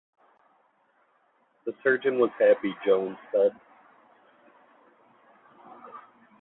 "The surgeon was happy," Jones said.